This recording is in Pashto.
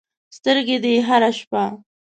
سترګې دې هره شپه